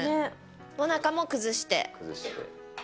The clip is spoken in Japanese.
もなかも崩して。